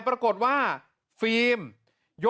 หัวดูลาย